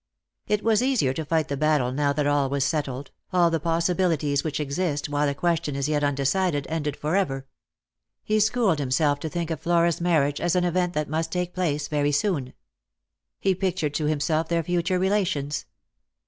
It was easier to fight the battle now that all was settled — all the possibilities which exist while a question is yet undecided ended for ever. He schooled himself to think of Flora's marriage as an event that must take place very soon. He pictured to himself their future relations.